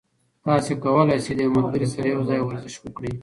تاسي کولای شئ له یو ملګري سره یوځای ورزش وکړئ.